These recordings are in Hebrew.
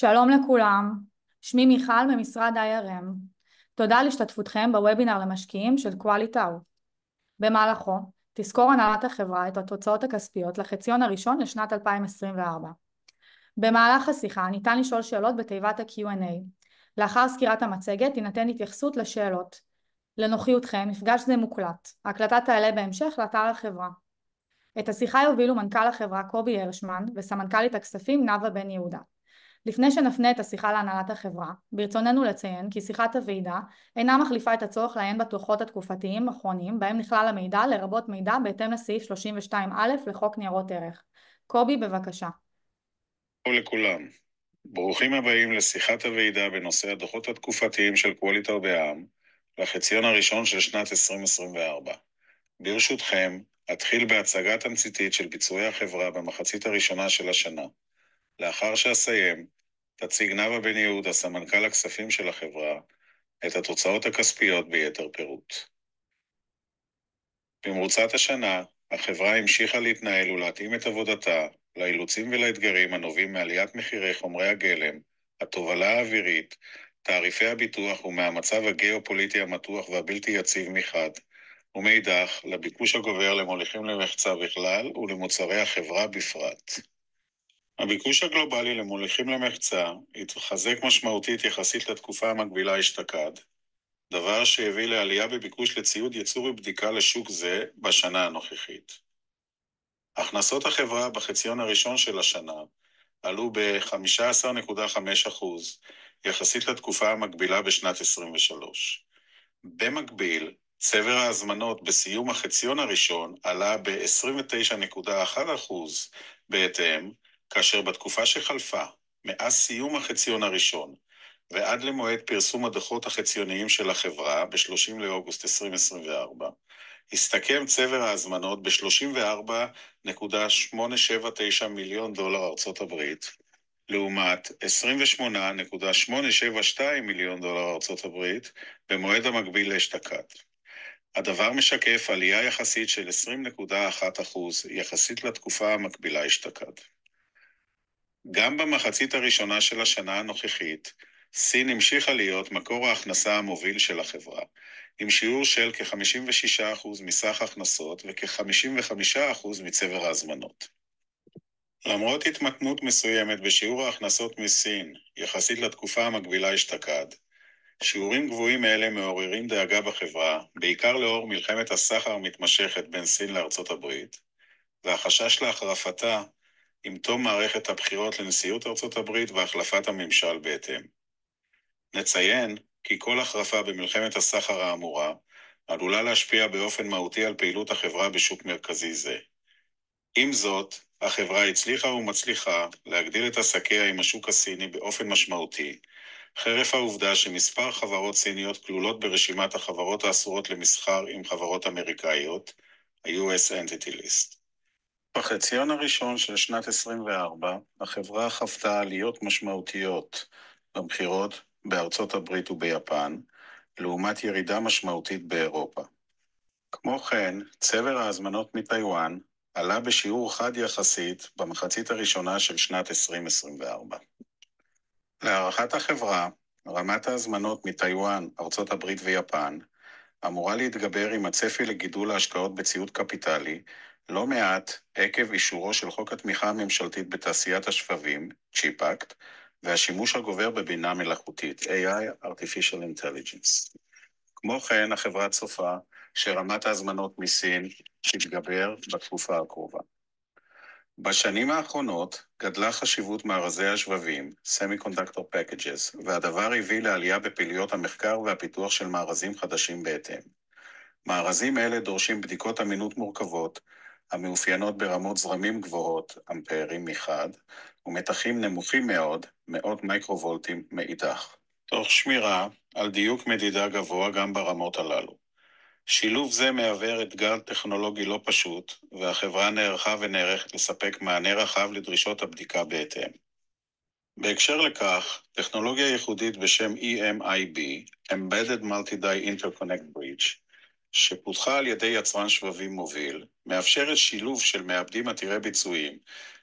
שלום לכולם, שמי מיכל ממשרד HR&M. תודה על השתתפותכם בוובינר למשקיעים של קואליטאו. במהלכו תסקור הנהלת החברה את התוצאות הכספיות לחציון הראשון לשנת 2024. במהלך השיחה ניתן לשאול שאלות בתיבת ה-Q&A. לאחר סקירת המצגת תינתן התייחסות לשאלות. לנוחיותכם, מפגש זה מוקלט. ההקלטה תעלה בהמשך לאתר החברה. את השיחה יובילו מנכ"ל החברה, קובי הרשמן, וסמנכ"לית הכספים נאוה בן יהודה. לפני שנפנה את השיחה להנהלת החברה, ברצוננו לציין כי שיחת הוועידה אינה מחליפה את הצורך לעיין בדוחות התקופתיים האחרונים, בהם נכלל המידע, לרבות מידע בהתאם לסעיף 32א' לחוק ניירות ערך. קובי, בבקשה. שלום לכולם! ברוכים הבאים לשיחת הוועידה בנושא הדוחות התקופתיים של קואליטאו בע"מ לחציון הראשון של שנת 2024. ברשותכם, אתחיל בהצגה תמציתית של ביצועי החברה במחצית הראשונה של השנה. לאחר שאסיים, תציג נאוה בן יהודה, סמנכ"ל הכספים של החברה, את התוצאות הכספיות ביתר פירוט. במרוצת השנה החברה המשיכה להתנהל ולהתאים את עבודתה לאילוצים ולאתגרים הנובעים מעליית מחירי חומרי הגלם, התובלה האווירית, תעריפי הביטוח ומהמצב הגאופוליטי המתוח והבלתי יציב מחד, ומאידך, לביקוש הגובר למוליכים למחצה בכלל ולמוצרי החברה בפרט. הביקוש הגלובלי למוליכים למחצה התחזק משמעותית יחסית לתקופה המקבילה אשתקד, דבר שהביא לעלייה בביקוש לציוד ייצור ובדיקה לשוק זה בשנה הנוכחית. הכנסות החברה בחציון הראשון של השנה עלו ב-15.5% יחסית לתקופה המקבילה בשנת 2023. במקביל, צבר ההזמנות בסיום החציון הראשון עלה ב-29.1% בהתאם, כאשר בתקופה שחלפה מאז סיום החציון הראשון ועד למועד פרסום הדוחות החציוניים של החברה ב-30 לאוגוסט 2024, הסתכם צבר ההזמנות ב-$34.879 מיליון דולר ארצות הברית, לעומת $28.872 מיליון דולר ארצות הברית במועד המקביל אשתקד. הדבר משקף עלייה יחסית של 21% יחסית לתקופה המקבילה אשתקד. גם במחצית הראשונה של השנה הנוכחית, סין המשיכה להיות מקור ההכנסה המוביל של החברה, עם שיעור של כ-56% מסך ההכנסות וכ-55% מצבר ההזמנות. למרות התמתנות מסוימת בשיעור ההכנסות מסין יחסית לתקופה המקבילה אשתקד, שיעורים גבוהים אלה מעוררים דאגה בחברה, בעיקר לאור מלחמת הסחר המתמשכת בין סין לארצות הברית והחשש להחרפתה עם תום מערכת הבחירות לנשיאות ארצות הברית והחלפת הממשל בהתאם. נציין כי כל החרפה במלחמת הסחר האמורה עלולה להשפיע באופן מהותי על פעילות החברה בשוק מרכזי זה. עם זאת, החברה הצליחה ומצליחה להגדיל את עסקיה עם השוק הסיני באופן משמעותי, חרף העובדה שמספר חברות סיניות כלולות ברשימת החברות האסורות למסחר עם חברות אמריקאיות, U.S. Entity List. בחציון הראשון של שנת 2024, החברה חוותה עליות משמעותיות במכירות בארצות הברית וביפן, לעומת ירידה משמעותית באירופה. כמו כן, צבר ההזמנות מטייוואן עלה בשיעור חד יחסית במחצית הראשונה של שנת 2024. להערכת החברה, רמת ההזמנות מטייוואן, ארצות הברית ויפן אמורה להתגבר עם הצפי לגידול ההשקעות בציוד קפיטלי, לא מעט עקב אישורו של חוק התמיכה הממשלתית בתעשיית השבבים, CHIPS Act, והשימוש הגובר בבינה מלאכותית, AI, Artificial Intelligence. כמו כן, החברה צופה שרמת ההזמנות מסין תתגבר בתקופה הקרובה. בשנים האחרונות גדלה חשיבות מארזי השבבים, Semiconductor Packages, והדבר הביא לעלייה בפעילויות המחקר והפיתוח של מארזים חדשים בהתאם. מארזים אלה דורשים בדיקות אמינות מורכבות המאופיינות ברמות זרמים גבוהות, אמפרים מחד, ומתחים נמוכים מאוד, מאות מיקרו וולטים, מאידך, תוך שמירה על דיוק מדידה גבוה גם ברמות הללו. שילוב זה מהווה אתגר טכנולוגי לא פשוט, והחברה נערכה ונערכת לספק מענה רחב לדרישות הבדיקה בהתאם. בהקשר לכך, טכנולוגיה ייחודית בשם EMIB, Embedded Multi-Die Interconnect Bridge, שפותחה על ידי יצרן שבבים מוביל, מאפשרת שילוב של מעבדים עתירי ביצועים,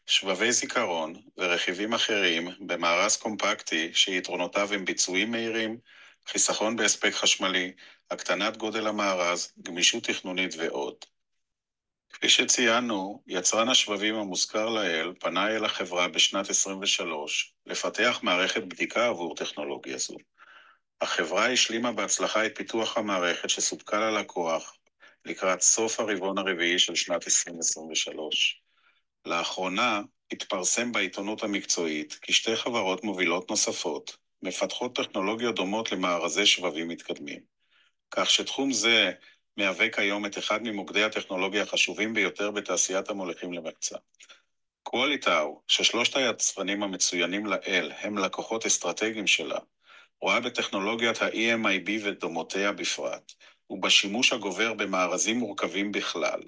שבבי זיכרון ורכיבים אחרים במארז קומפקטי, שיתרונותיו הם ביצועים מהירים, חיסכון בהספק חשמלי, הקטנת גודל המארז, גמישות תכנונית ועוד. כפי שציינו, יצרן השבבים המוזכר לעיל פנה אל החברה בשנת 2023 לפתח מערכת בדיקה עבור טכנולוגיה זו. החברה השלימה בהצלחה את פיתוח המערכת, שסופקה ללקוח לקראת סוף הרבעון הרביעי של שנת 2023. לאחרונה התפרסם בעיתונות המקצועית כי שתי חברות מובילות נוספות מפתחות טכנולוגיות דומות למארזי שבבים מתקדמים, כך שתחום זה מהווה כיום את אחד ממוקדי הטכנולוגיה החשובים ביותר בתעשיית המוליכים למחצה. קואליטאו, ששלושת היצרנים המצוינים לעיל הם לקוחות אסטרטגיים שלה, רואה בטכנולוגיית האי אמ איי בי ודומותיה בפרט, ובשימוש הגובר במארזים מורכבים בכלל,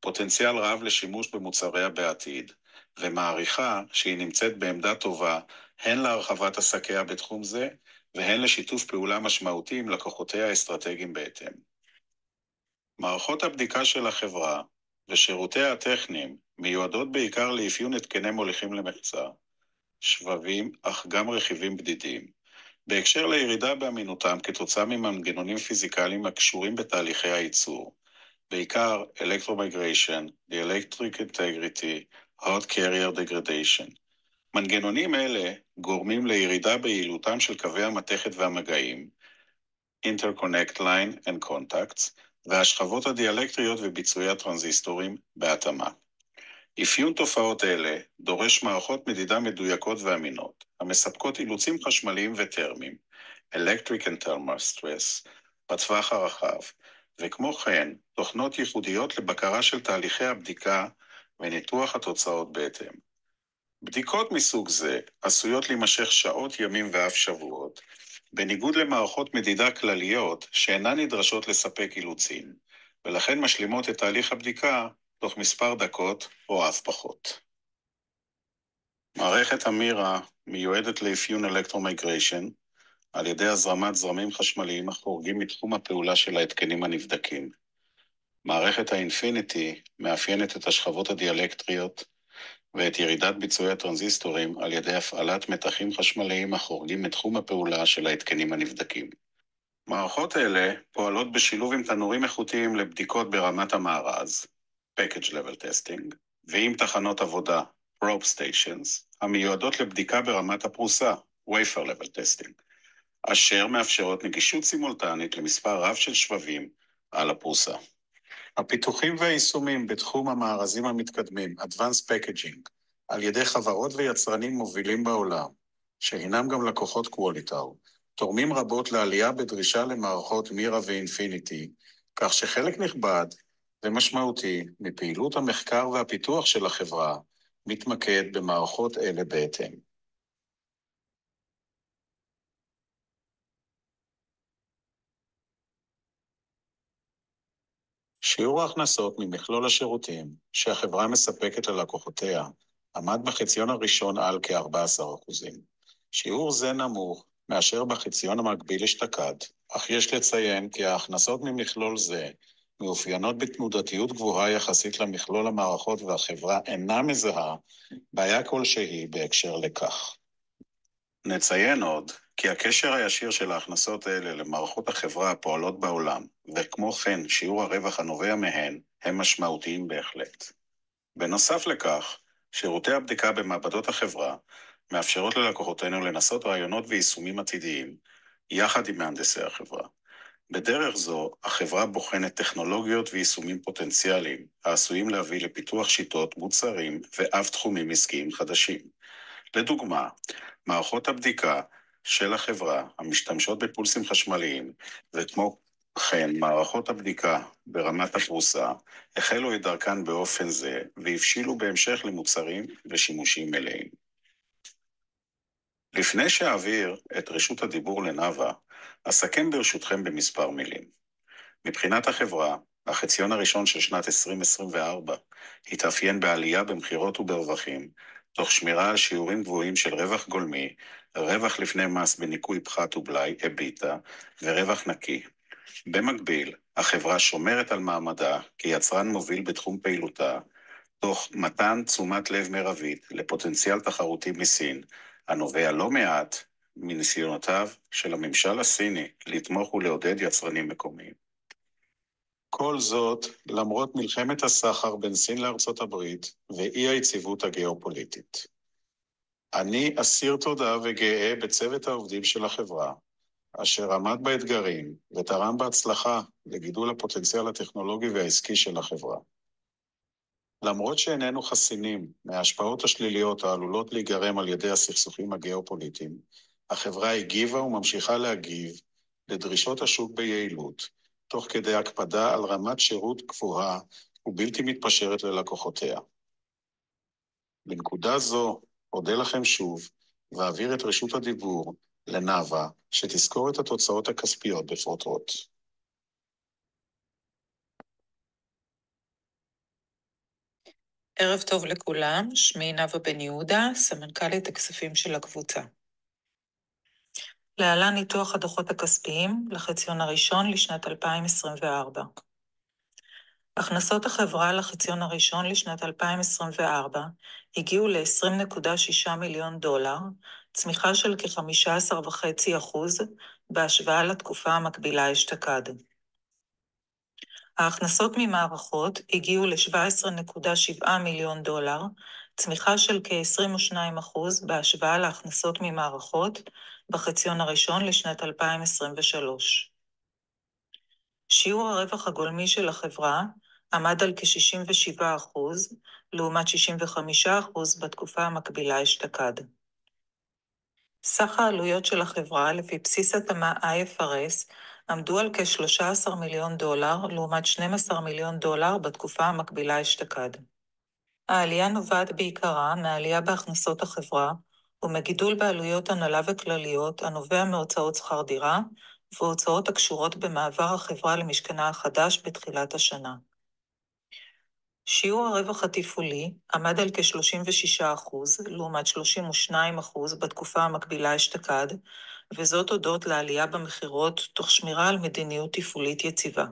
פוטנציאל רב לשימוש במוצריה בעתיד, ומעריכה שהיא נמצאת בעמדה טובה הן להרחבת עסקיה בתחום זה והן לשיתוף פעולה משמעותי עם לקוחותיה האסטרטגיים בהתאם. מערכות הבדיקה של החברה והשירותיה הטכניים מיועדות בעיקר לאפיון התקני מוליכים למחצה, שבבים, אך גם רכיבים בדידים בהקשר לירידה באמינותם כתוצאה ממנגנונים פיזיקליים הקשורים בתהליכי הייצור, בעיקר Electromigration, Dielectric integrity, Hot carrier degradation. מנגנונים אלה גורמים לירידה ביעילותם של קווי המתכת והמגעים, Interconnect line and contacts, והשכבות הדיאלקטריות וביצועי הטרנזיסטורים בהתאמה. אפיון תופעות אלה דורש מערכות מדידה מדויקות ואמינות המספקות אילוצים חשמליים ותרמיים. Electric and thermal stress בטווח הרחב, וכמו כן תוכנות ייחודיות לבקרה של תהליכי הבדיקה וניתוח התוצאות בהתאם. בדיקות מסוג זה עשויות להימשך שעות, ימים ואף שבועות. בניגוד למערכות מדידה כלליות שאינן נדרשות לספק אילוצים, ולכן משלימות את תהליך הבדיקה תוך מספר דקות או אף פחות. מערכת המירה מיועדת לאפיון Electromigration על ידי הזרמת זרמים חשמליים החורגים מתחום הפעולה של ההתקנים הנבדקים. מערכת האינפיניטי מאפיינת את השכבות הדיאלקטריות ואת ירידת ביצועי הטרנזיסטורים על ידי הפעלת מתחים חשמליים החורגים מתחום הפעולה של ההתקנים הנבדקים. מערכות אלה פועלות בשילוב עם תנורים איכותיים לבדיקות ברמת המארז Package level testing ועם תחנות עבודה Probe stations המיועדות לבדיקה ברמת הפרוסה Wafer level testing, אשר מאפשרות נגישות סימולטנית למספר רב של שבבים על הפרוסה. הפיתוחים והיישומים בתחום המארזים המתקדמים Advance packaging על ידי חברות ויצרנים מובילים בעולם, שהינם גם לקוחות קואליטאו, תורמים רבות לעלייה בדרישה למערכות מירה ואינפיניטי, כך שחלק נכבד ומשמעותי מפעילות המחקר והפיתוח של החברה מתמקד במערכות אלה בהתאם. שיעור ההכנסות מכלול השירותים שהחברה מספקת ללקוחותיה עמד בחציון הראשון על כ-14%. שיעור זה נמוך מאשר בחציון המקביל אשתקד, אך יש לציין כי ההכנסות מכלול זה מאופיינות בתנודתיות גבוהה יחסית למכלול המערכות, והחברה אינה מזהה בעיה כלשהי בהקשר לכך. נציין עוד כי הקשר הישיר של ההכנסות אלה למערכות החברה הפועלות בעולם, וכמו כן שיעור הרווח הנובע מהן הם משמעותיים בהחלט. בנוסף לכך, שירותי הבדיקה במעבדות החברה מאפשרות ללקוחותינו לנסות רעיונות ויישומים עתידיים יחד עם מהנדסי החברה. בדרך זו החברה בוחנת טכנולוגיות ויישומים פוטנציאליים העשויים להביא לפיתוח שיטות, מוצרים ואף תחומים עסקיים חדשים. לדוגמה, מערכות הבדיקה של החברה המשתמשות בפולסים חשמליים, וכמו כן מערכות הבדיקה ברמת הפרוסה, החלו את דרכן באופן זה והבשילו בהמשך למוצרים ושימושים מלאים. לפני שאעביר את רשות הדיבור לנאוה, אסכם ברשותכם במספר מילים. מבחינת החברה, החציון הראשון של שנת 2024 התאפיין בעלייה במכירות וברווחים, תוך שמירה על שיעורים גבוהים של רווח גולמי, רווח לפני מס וניכוי פחת ובלאי, EBITDA ורווח נקי. במקביל, החברה שומרת על מעמדה כיצרן מוביל בתחום פעילותה, תוך מתן תשומת לב מרבית לפוטנציאל תחרותי מסין, הנובע לא מעט מניסיונותיו של הממשל הסיני לתמוך ולעודד יצרנים מקומיים. כל זאת למרות מלחמת הסחר בין סין לארצות הברית ואי היציבות הגאופוליטית. אני אסיר תודה וגאה בצוות העובדים של החברה, אשר עמד באתגרים ותרם בהצלחה לגידול הפוטנציאל הטכנולוגי והעסקי של החברה. למרות שאיננו חסינים מההשפעות השליליות העלולות להיגרם על ידי הסכסוכים הגאופוליטיים, החברה הגיבה וממשיכה להגיב לדרישות השוק ביעילות, תוך כדי הקפדה על רמת שירות גבוהה ובלתי מתפשרת ללקוחותיה. בנקודה זו אודה לכם שוב ואעביר את רשות הדיבור לנאוה, שתסקור את התוצאות הכספיות בפירוט. ערב טוב לכולם. שמי נאוה בן יהודה, סמנכ"לית הכספים של הקבוצה. להלן ניתוח הדוחות הכספיים לחציון הראשון לשנת 2024. הכנסות החברה לחציון הראשון לשנת 2024 הגיעו ל-$20.6 מיליון, צמיחה של כ-15.5% בהשוואה לתקופה המקבילה אשתקד. ההכנסות ממערכות הגיעו ל-$17.7 מיליון, צמיחה של כ-22% בהשוואה להכנסות ממערכות בחציון הראשון לשנת 2023. שיעור הרווח הגולמי של החברה עמד על כ-67%, לעומת 65% בתקופה המקבילה אשתקד. סך העלויות של החברה לפי בסיס התאמה IFRS עמדו על כ-$13 מיליון, לעומת $12 מיליון בתקופה המקבילה אשתקד. העלייה נובעת בעיקרה מהעלייה בהכנסות החברה ומגידול בעלויות הנהלה וכלליות הנובע מהוצאות שכר דירה והוצאות הקשורות במעבר החברה למשכנה החדש בתחילת השנה. שיעור הרווח התפעולי עמד על כ-36%, לעומת 32% בתקופה המקבילה אשתקד, וזאת הודות לעלייה במכירות תוך שמירה על מדיניות תפעולית יציבה.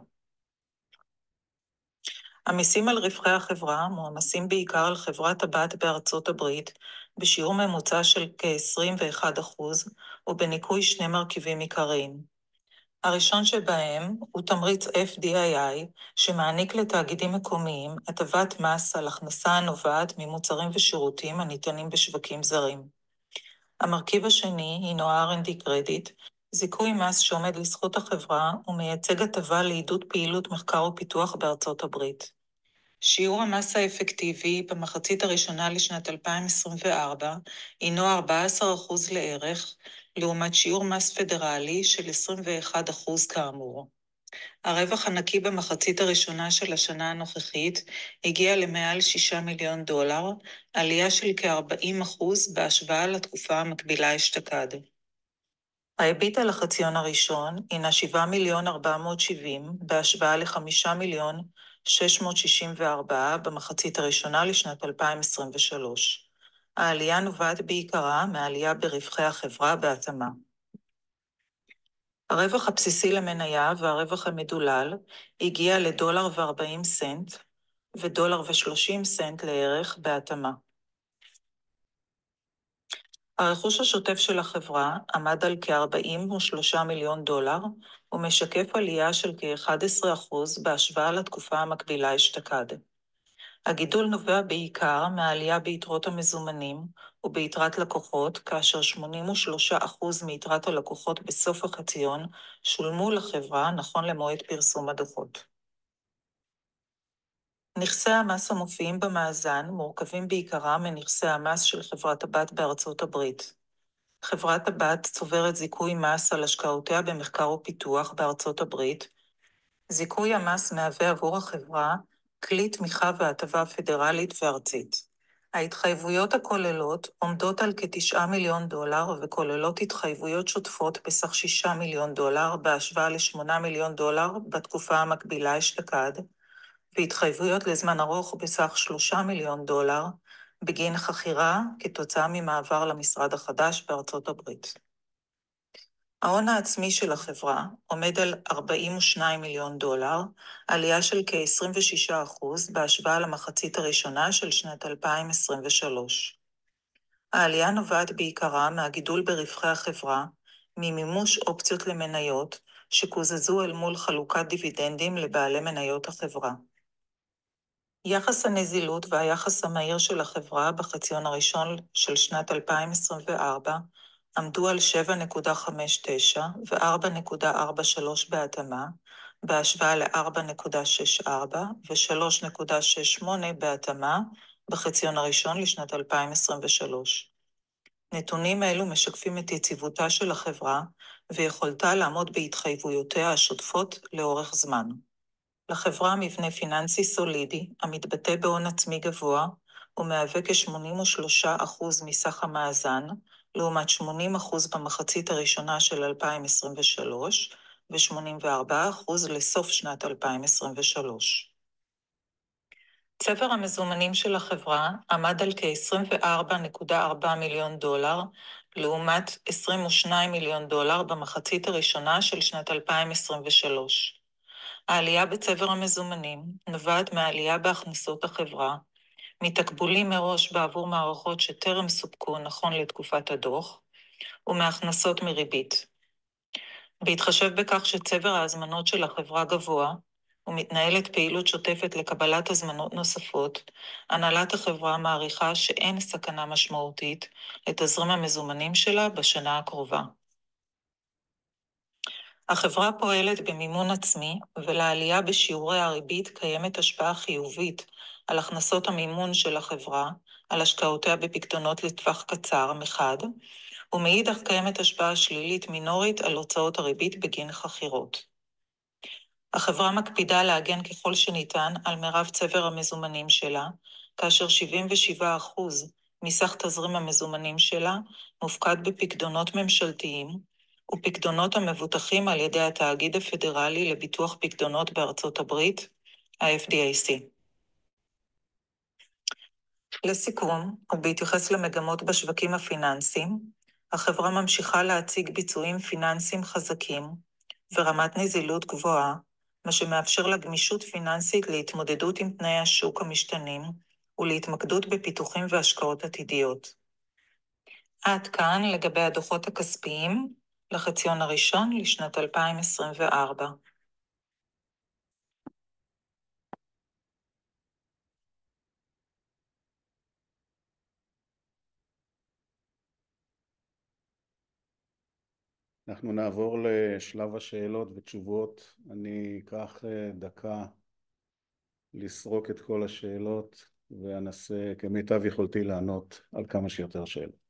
המיסים על רווחי החברה מועמסים בעיקר על חברת הבת בארצות הברית, בשיעור ממוצע של כ-21%, ובניכוי שני מרכיבים עיקריים: הראשון שבהם הוא תמריץ FDI, שמעניק לתאגידים מקומיים הטבת מס על הכנסה הנובעת ממוצרים ושירותים הניתנים בשווקים זרים. המרכיב השני הינו R&D קרדיט, זיכוי מס שעומד לזכות החברה ומייצג הטבה לעידוד פעילות מחקר ופיתוח בארצות הברית. שיעור המס האפקטיבי במחצית הראשונה לשנת 2024 הינו 14% לערך, לעומת שיעור מס פדרלי של 21%, כאמור. הרווח הנקי במחצית הראשונה של השנה הנוכחית הגיע למעל $6 מיליון, עלייה של כ-40% בהשוואה לתקופה המקבילה אשתקד. ה-EBITDA לחציון הראשון הינה $7.47 מיליון, בהשוואה ל-$5.664 מיליון במחצית הראשונה לשנת 2023. העלייה נובעת בעיקרה מעלייה ברווחי החברה, בהתאמה. הרווח הבסיסי למניה והרווח המדולל הגיע ל-$1.40 ו-$1.30 לערך, בהתאמה. הרכוש השוטף של החברה עמד על כ-$43 מיליון, ומשקף עלייה של כ-11% בהשוואה לתקופה המקבילה אשתקד. הגידול נובע בעיקר מהעלייה ביתרות המזומנים וביתרת לקוחות, כאשר 83% מיתרת הלקוחות בסוף החציון שולמו לחברה נכון למועד פרסום הדוחות. נכסי המס המופיעים במאזן מורכבים בעיקרם מנכסי המס של חברת הבת בארצות הברית. חברת הבת צוברת זיכוי מס על השקעותיה במחקר ופיתוח בארצות הברית. זיכוי המס מהווה עבור החברה כלי תמיכה והטבה פדרלית וארצית. ההתחייבויות הכוללות עומדות על כ-$9 מיליון וכוללות התחייבויות שוטפות בסך $6 מיליון, בהשוואה ל-$8 מיליון בתקופה המקבילה אשתקד, והתחייבויות לזמן ארוך בסך $3 מיליון בגין חכירה כתוצאה ממעבר למשרד החדש בארצות הברית. ההון העצמי של החברה עומד על 42 מיליון דולר, עלייה של כ-26% בהשוואה למחצית הראשונה של שנת 2023. העלייה נובעת בעיקרה מהגידול ברווחי החברה, ממימוש אופציות למניות שקוזזו אל מול חלוקת דיבידנדים לבעלי מניות החברה. יחס הנזילות והיחס המהיר של החברה בחציון הראשון של שנת 2024 עמדו על 7.59 ו-4.43 בהתאמה, בהשוואה ל-4.64 ו-3.68, בהתאמה, בחציון הראשון לשנת 2023. נתונים אלו משקפים את יציבותה של החברה ויכולתה לעמוד בהתחייבויותיה השוטפות לאורך זמן. לחברה מבנה פיננסי סולידי המתבטא בהון עצמי גבוה ומהווה כ-83% מסך המאזן, לעומת 80% במחצית הראשונה של 2023 ו-84% לסוף שנת 2023. צבר המזומנים של החברה עמד על כ-$24.4 מיליון, לעומת $22 מיליון במחצית הראשונה של שנת 2023. העלייה בצבר המזומנים נובעת מהעלייה בהכנסות החברה, מתקבולים מראש בעבור מערכות שטרם סופקו נכון לתקופת הדוח, ומהכנסות מריבית. בהתחשב בכך שצבר ההזמנות של החברה גבוה ומתנהלת פעילות שוטפת לקבלת הזמנות נוספות, הנהלת החברה מעריכה שאין סכנה משמעותית לתזרים המזומנים שלה בשנה הקרובה. החברה פועלת במימון עצמי, ולעלייה בשיעורי הריבית קיימת השפעה חיובית על הכנסות המימון של החברה, על השקעותיה בפיקדונות לטווח קצר, מחד, ומאידך, קיימת השפעה שלילית מינורית על הוצאות הריבית בגין חכירות. החברה מקפידה להגן ככל שניתן על מרב צבר המזומנים שלה, כאשר 77% מסך תזרים המזומנים שלה מופקד בפיקדונות ממשלתיים ופיקדונות המבוטחים על ידי התאגיד הפדרלי לביטוח פיקדונות בארצות הברית, ה-FDIC. לסיכום, ובהתייחס למגמות בשווקים הפיננסיים, החברה ממשיכה להציג ביצועים פיננסיים חזקים ורמת נזילות גבוהה, מה שמאפשר לה גמישות פיננסית להתמודדות עם תנאי השוק המשתנים ולהתמקדות בפיתוחים והשקעות עתידיות. עד כאן לגבי הדוחות הכספיים לחציון הראשון לשנת 2024. אנחנו נעבור לשלב השאלות ותשובות. אני אקח דקה לסרוק את כל השאלות ואנסה כמיטב יכולתי לענות על כמה שיותר שאלות.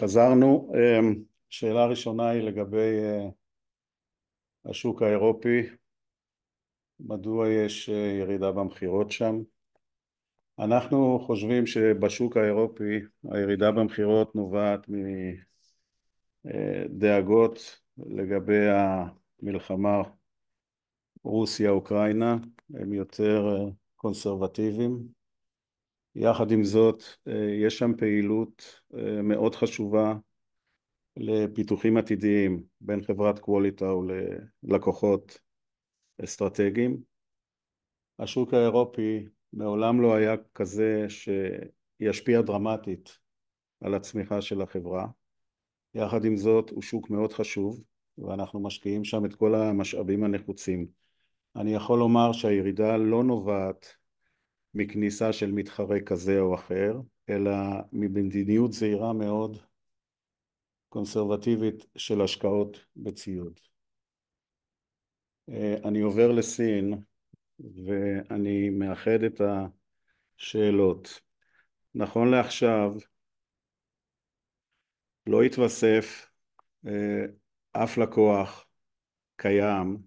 חזרנו. שאלה ראשונה היא לגבי השוק האירופי. מדוע יש ירידה במכירות שם? אנחנו חושבים שבשוק האירופי, הירידה במכירות נובעת מדאגות לגבי המלחמה רוסיה-אוקראינה. הם יותר קונסרבטיביים. יחד עם זאת, יש שם פעילות מאוד חשובה לפיתוחים עתידיים בין חברת קואליטאו ללקוחות אסטרטגיים. השוק האירופי מעולם לא היה כזה שישפיע דרמטית על הצמיחה של החברה. יחד עם זאת, הוא שוק מאוד חשוב ואנחנו משקיעים שם את כל המשאבים הנחוצים. אני יכול לומר שהירידה לא נובעת מכניסה של מתחרה כזה או אחר, אלא ממדיניות זהירה מאוד, קונסרבטיבית, של השקעות בציוד. אני עובר לסין ואני מאחד את השאלות. נכון לעכשיו, לא התווסף אף לקוח קיים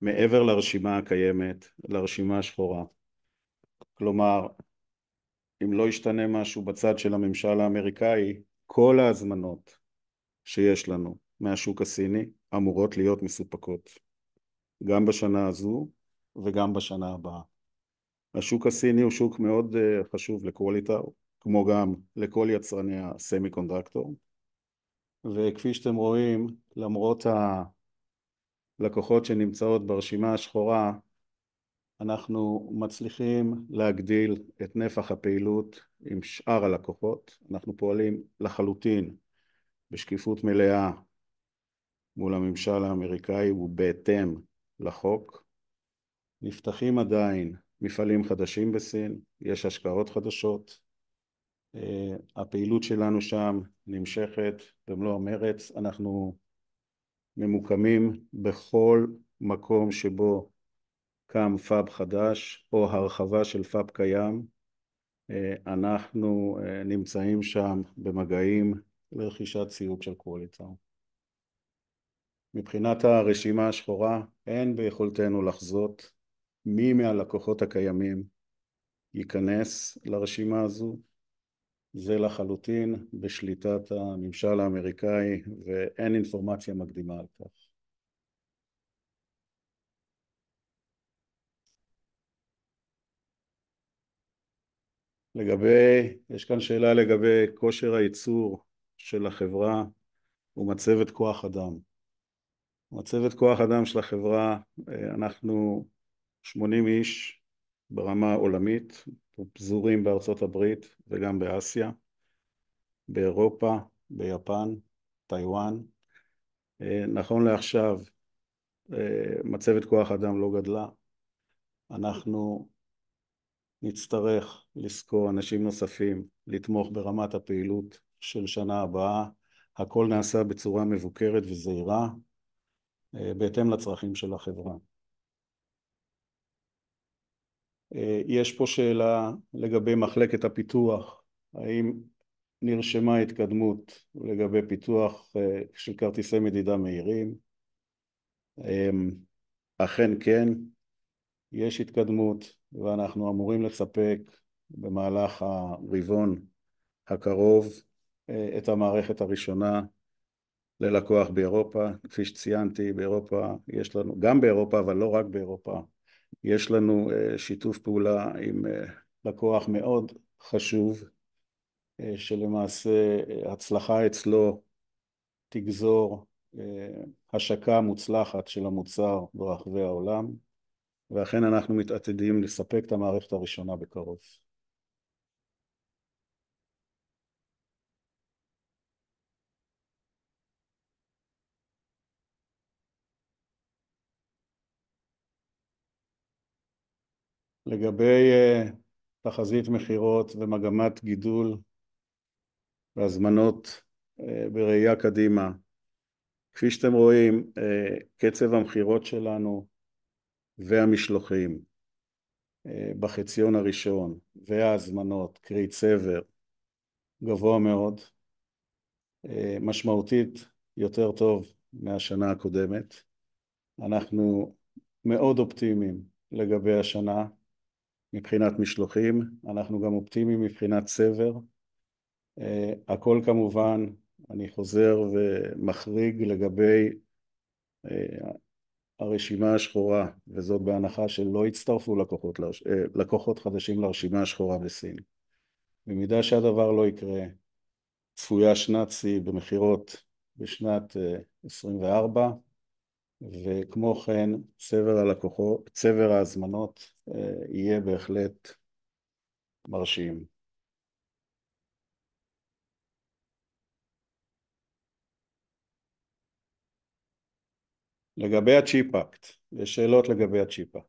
מעבר לרשימה הקיימת, לרשימה השחורה. כלומר, אם לא ישתנה משהו בצד של הממשל האמריקאי, כל ההזמנות שיש לנו מהשוק הסיני אמורות להיות מסופקות, גם בשנה הזו וגם בשנה הבאה. השוק הסיני הוא שוק מאוד חשוב לקואליטאו, כמו גם לכל יצרני הסמיקונדקטור, וכפי שאתם רואים, למרות הלקוחות שנמצאות ברשימה השחורה, אנחנו מצליחים להגדיל את נפח הפעילות עם שאר הלקוחות. אנחנו פועלים לחלוטין בשקיפות מלאה מול הממשל האמריקאי ובהתאם לחוק. נפתחים עדיין מפעלים חדשים בסין, יש השקעות חדשות, הפעילות שלנו שם נמשכת במלוא המרץ. אנחנו ממוקמים בכל מקום שבו קם פאב חדש או הרחבה של פאב קיים. אנחנו נמצאים שם במגעים לרכישת ציוד של קואליטאו. מבחינת הרשימה השחורה, אין ביכולתנו לחזות מי מהלקוחות הקיימים ייכנס לרשימה הזו. זה לחלוטין בשליטת הממשל האמריקאי ואין אינפורמציה מקדימה על כך. לגבי... יש כאן שאלה לגבי כושר הייצור של החברה ומצבת כוח אדם. מצבת כוח האדם של החברה, אנחנו שמונים איש ברמה עולמית, פזורים בארצות הברית וגם באסיה, באירופה, ביפן, טייוואן. נכון לעכשיו, מצבת כוח האדם לא גדלה. אנחנו נצטרך לשכור אנשים נוספים, לתמוך ברמת הפעילות של השנה הבאה. הכול נעשה בצורה מבוקרת וזהירה, בהתאם לצרכים של החברה. יש פה שאלה לגבי מחלקת הפיתוח: "האם נרשמה התקדמות לגבי פיתוח של כרטיסי מדידה מהירים?" אכן כן, יש התקדמות ואנחנו אמורים לספק במהלך הרבעון הקרוב את המערכת הראשונה ללקוח באירופה. כפי שציינתי, באירופה יש לנו, גם באירופה, אבל לא רק באירופה, יש לנו שיתוף פעולה עם לקוח מאוד חשוב, שלמעשה, הצלחה אצלו תגרור השקה מוצלחת של המוצר ברחבי העולם, ואכן אנחנו מתעתדים לספק את המערכת הראשונה בקרוב. לגבי תחזית מכירות ומגמת גידול בהזמנות, בראייה קדימה. כפי שאתם רואים, קצב המכירות שלנו והמשלוחים בחציון הראשון, וההזמנות, קרי צבר, גבוה מאוד, משמעותית יותר טוב מהשנה הקודמת. אנחנו מאוד אופטימיים לגבי השנה מבחינת משלוחים. אנחנו גם אופטימיים מבחינת צבר. הכול כמובן, אני חוזר ומחריג לגבי הרשימה השחורה, וזאת בהנחה שלא יצטרפו לקוחות חדשים לרשימה השחורה בסין. במידה שהדבר לא יקרה, צפויה שנת שיא במכירות בשנת 2024, וכמו כן, צבר הלקוחות, צבר ההזמנות, יהיה בהחלט מרשים. לגבי הצ'יפ אקט, יש שאלות לגבי הצ'יפ אקט.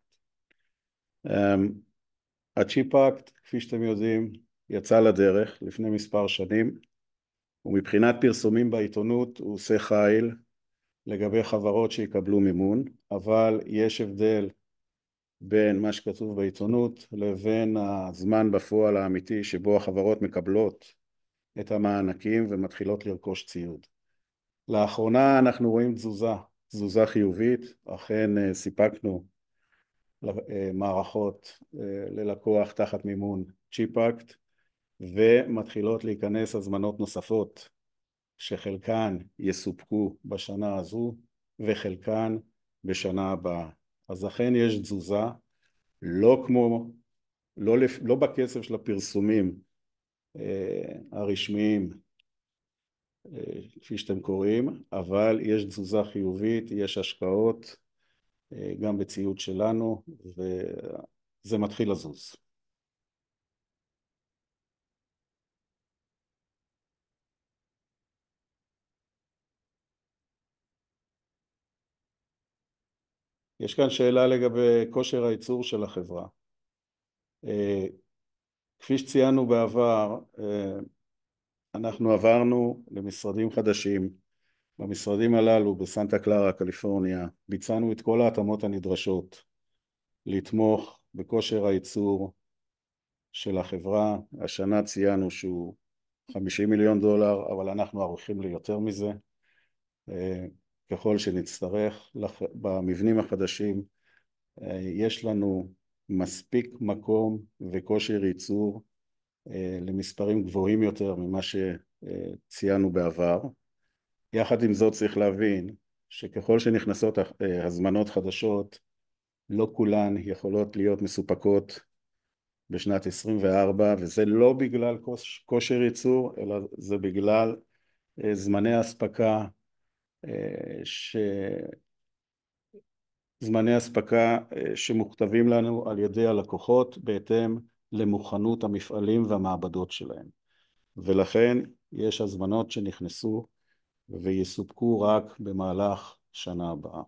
הצ'יפ אקט, כפי שאתם יודעים, יצא לדרך לפני מספר שנים, ומבחינת פרסומים בעיתונות, הוא עושה חיל לגבי חברות שיקבלו מימון. אבל יש הבדל בין מה שכתוב בעיתונות לבין הזמן בפועל, האמיתי, שבו החברות מקבלות את המענקים ומתחילות לרכוש ציוד. לאחרונה אנחנו רואים תזוזה, תזוזה חיובית. אכן, סיפקנו מערכות ללקוח תחת מימון צ'יפ אקט, ומתחילות להיכנס הזמנות נוספות, שחלקן יסופקו בשנה הזו וחלקן בשנה הבאה. אז אכן יש תזוזה. לא כמו, לא בקצב של הפרסומים הרשמיים, כפי שאתם קוראים, אבל יש תזוזה חיובית. יש השקעות גם בציוד שלנו, וזה מתחיל לזוז. יש כאן שאלה לגבי כושר הייצור של החברה. כפי שציינו בעבר, אנחנו עברנו למשרדים חדשים. במשרדים הללו, בסנטה קלרה, קליפורניה, ביצענו את כל ההתאמות הנדרשות לתמוך בכושר הייצור של החברה. השנה ציינו שהוא $50 מיליון, אבל אנחנו ערוכים ליותר מזה, ככל שנצטרך. במבנים החדשים, יש לנו מספיק מקום וכושר ייצור למספרים גבוהים יותר ממה שציינו בעבר. יחד עם זאת, צריך להבין שככל שנכנסות הזמנות חדשות, לא כולן יכולות להיות מסופקות בשנת 2024, וזה לא בגלל כושר ייצור, אלא זה בגלל זמני אספקה שמוכתבים לנו על ידי הלקוחות בהתאם למוכנות המפעלים והמעבדות שלהם, ולכן, יש הזמנות שנכנסו ויסופקו רק במהלך השנה הבאה.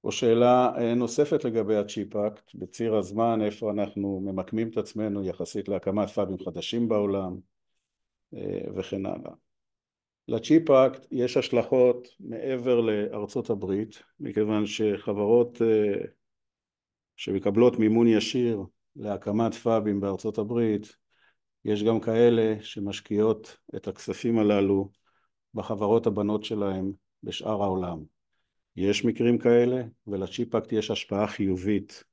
פה שאלה נוספת לגבי הצ'יפ אקט. בציר הזמן, איפה אנחנו ממקמים את עצמנו יחסית להקמת פאבים חדשים בעולם, וכן הלאה? לצ'יפ אקט יש השלכות מעבר לארצות הברית, מכיוון שחברות שמקבלות מימון ישיר להקמת פאבים בארצות הברית, יש גם כאלה שמשקיעות את הכספים הללו בחברות הבנות שלהם בשאר העולם. יש מקרים כאלה, ולצ'יפ אקט יש השפעה חיובית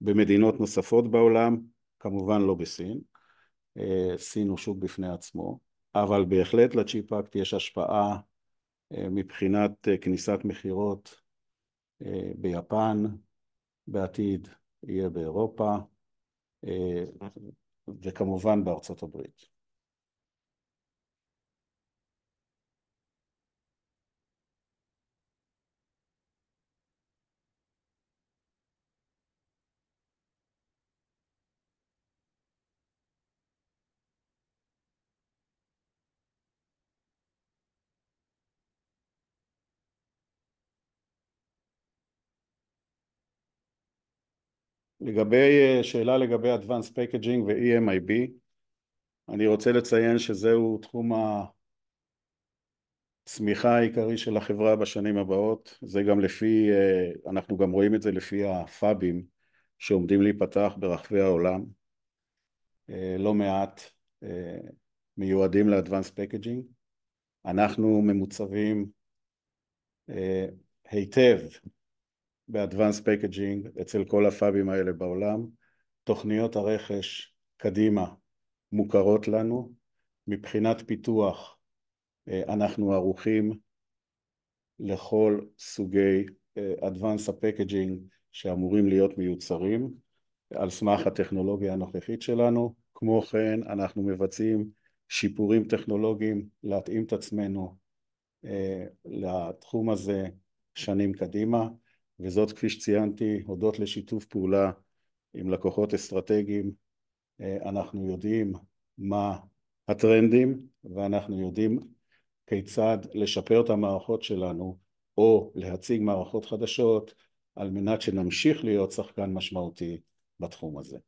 במדינות נוספות בעולם. כמובן, לא בסין. סין הוא שוק בפני עצמו, אבל בהחלט לצ'יפ אקט יש השפעה מבחינת כניסת מכירות ביפן, בעתיד יהיה באירופה, וכמובן, בארצות הברית. לגבי שאלה לגבי אדבנסד פקינג' ו-EMIB, אני רוצה לציין שזהו תחום הצמיחה העיקרי של החברה בשנים הבאות. זה גם לפי... אנחנו גם רואים את זה לפי הפאבים שעומדים להיפתח ברחבי העולם. לא מעט מיועדים לאדבנסד פקינג'. אנחנו ממוצבים היטב באדבנסד פקינג' אצל כל הפאבים האלה בעולם. תוכניות הרכש קדימה מוכרות לנו. מבחינת פיתוח, אנחנו ערוכים. לכל סוגי Advance Packaging, שאמורים להיות מיוצרים על סמך הטכנולוגיה הנוכחית שלנו. כמו כן, אנחנו מבצעים שיפורים טכנולוגיים להתאים את עצמנו לתחום הזה שנים קדימה, וזאת, כפי שציינתי, הודות לשיתוף פעולה עם לקוחות אסטרטגיים. אנחנו יודעים מה הטרנדים, ואנחנו יודעים כיצד לשפר את המערכות שלנו, או להציג מערכות חדשות, על מנת שנמשיך להיות שחקן משמעותי בתחום הזה.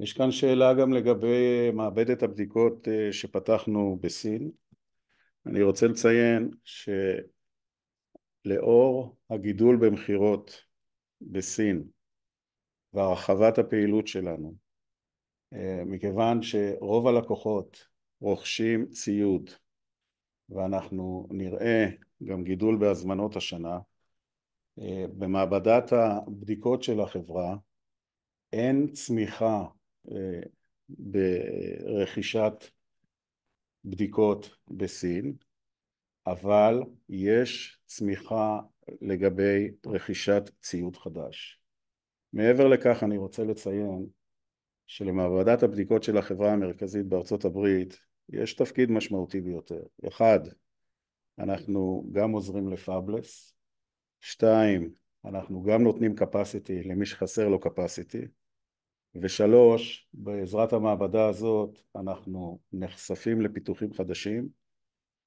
יש כאן שאלה גם לגבי מעבדת הבדיקות שפתחנו בסין. אני רוצה לציין שלאור הגידול במכירות בסין והרחבת הפעילות שלנו, מכיוון שרוב הלקוחות רוכשים ציוד, ואנחנו נראה גם גידול בהזמנות השנה, במעבדת הבדיקות של החברה אין צמיחה ברכישת בדיקות בסין, אבל יש צמיחה לגבי רכישת ציוד חדש. מעבר לכך, אני רוצה לציין שלמעבדת הבדיקות של החברה המרכזית בארצות הברית יש תפקיד משמעותי ביותר. אחד: אנחנו גם עוזרים ל-Fabless. שתיים: אנחנו גם נותנים Capacity למי שחסר לו Capacity, ושלוש: בעזרת המעבדה הזאת אנחנו נחשפים לפיתוחים חדשים,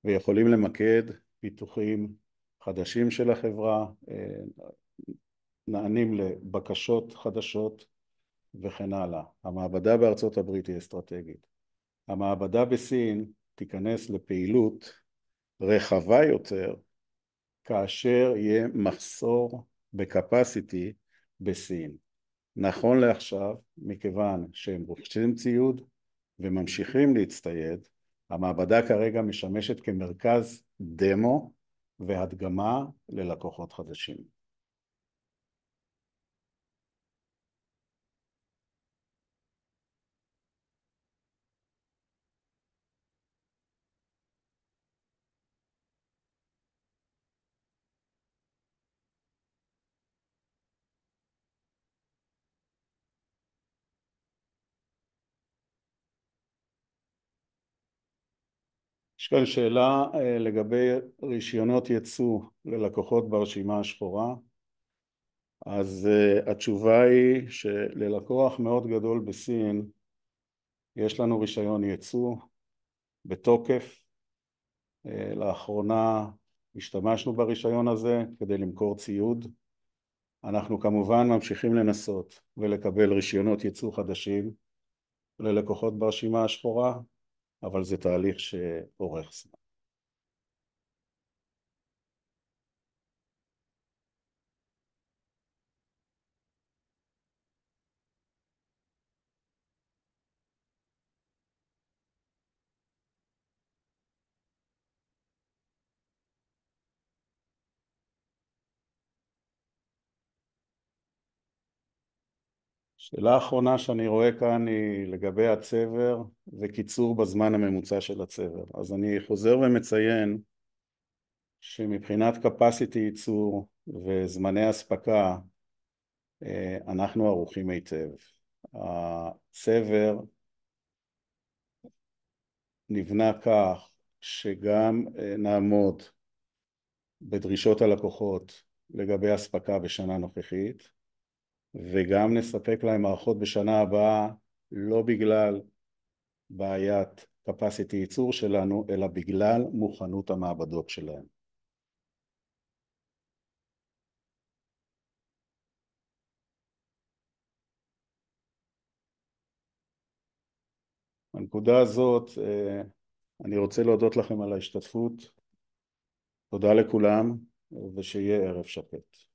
ויכולים למקד פיתוחים חדשים של החברה, נענים לבקשות חדשות וכן הלאה. המעבדה בארצות הברית היא אסטרטגית. המעבדה בסין תיכנס לפעילות רחבה יותר כאשר יהיה מחסור ב-Capacity בסין. נכון לעכשיו, מכיוון שהם רוכשים ציוד וממשיכים להצטייד, המעבדה כרגע משמשת כמרכז דמו והדגמה ללקוחות חדשים. יש כאן שאלה לגבי רישיונות ייצוא ללקוחות ברשימה השחורה. התשובה היא שללקוח מאוד גדול בסין יש לנו רישיון ייצוא בתוקף. לאחרונה השתמשנו ברישיון הזה כדי למכור ציוד. אנחנו כמובן ממשיכים לנסות ולקבל רישיונות ייצוא חדשים ללקוחות ברשימה השחורה, אבל זה תהליך שאורך זמן. השאלה האחרונה שאני רואה כאן היא לגבי הצבר וקיצור בזמן הממוצע של הצבר. אני חוזר ומציין שמבחינת Capacity ייצור וזמני אספקה, אנחנו ערוכים היטב. הצבר נבנה כך שגם נעמוד בדרישות הלקוחות לגבי אספקה בשנה הנוכחית, וגם נספק להם מערכות בשנה הבאה, לא בגלל בעיית Capacity ייצור שלנו, אלא בגלל מוכנות המעבדות שלהם. בנקודה הזאת, אני רוצה להודות לכם על ההשתתפות. תודה לכולם, ושיהיה ערב שקט.